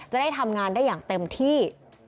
จะได้ทำงานได้อย่างเต็มที่